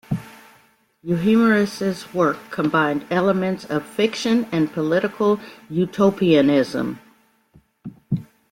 Euhemerus's work combined elements of fiction and political utopianism.